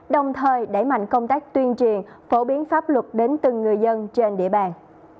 đồng thời đẩy mạnh công tác tuyên truyền phổ biến pháp luật đến từng người dân trên địa bàn